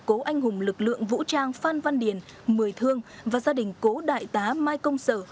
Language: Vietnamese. cố anh hùng lực lượng vũ trang phan văn điền mười thương và gia đình cố đại tá mai công sở